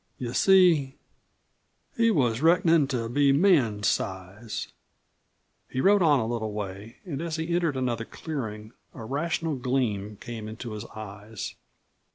You see, he was reckonin' to be man's size." He rode on a little way, and as he entered another clearing a rational gleam came into his eyes.